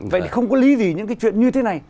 vậy thì không có lý gì những cái chuyện như thế này